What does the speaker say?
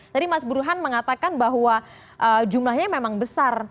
tadi mas burhan mengatakan bahwa jumlahnya memang besar